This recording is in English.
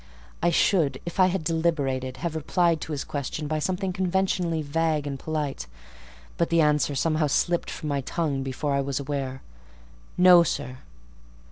I should, if I had deliberated, have replied to this question by something conventionally vague and polite; but the answer somehow slipped from my tongue before I was aware—"No, sir."